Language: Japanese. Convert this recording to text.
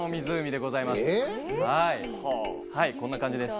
はいこんな感じです。